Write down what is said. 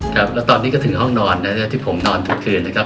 ครับแล้วตอนนี้ก็ถึงห้องนอนนะครับที่ผมนอนทุกคืนนะครับ